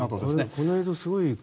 この映像、すごいですね。